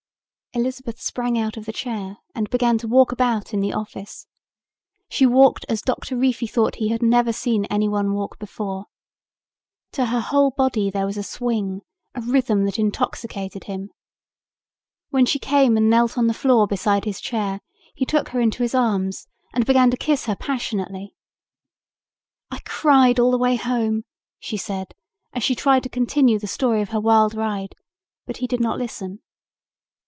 Elizabeth sprang out of the chair and began to walk about in the office. She walked as Doctor Reefy thought he had never seen anyone walk before. To her whole body there was a swing, a rhythm that intoxicated him. When she came and knelt on the floor beside his chair he took her into his arms and began to kiss her passionately. "I cried all the way home," she said, as she tried to continue the story of her wild ride, but he did not listen.